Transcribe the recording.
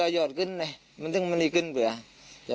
มันก็ยอดขึ้นเลยมันจะมีขึ้นเผื่อเห็นไหม